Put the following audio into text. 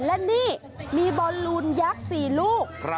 และนี่มีบอลลูนยักษ์๔ลูก